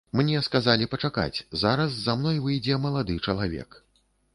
Мне сказалі пачакаць, зараз за мной выйдзе малады чалавек.